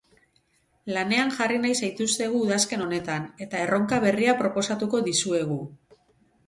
Lanean jarri nahi zaituztegu udazken honetan, eta erronka berria proposatuko dizuegu.